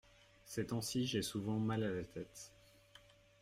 Ces temps-ci j’ai souvent mal à la tête.